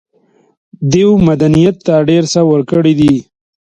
دوی مدنيت ته ډېر څه ورکړي دي.